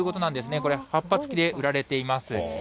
これ、葉っぱ付きで売られています。